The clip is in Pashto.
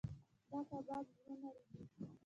دا کباب زړونه رېبي.